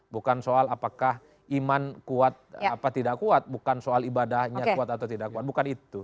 bukan soal apakah iman kuat apa tidak kuat bukan soal ibadahnya kuat atau tidak kuat bukan itu